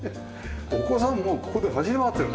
お子さんもうここで走り回ってる？